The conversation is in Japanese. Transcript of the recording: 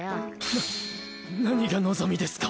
な何が望みですか！